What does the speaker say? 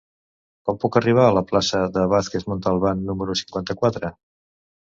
Com puc arribar a la plaça de Vázquez Montalbán número cinquanta-quatre?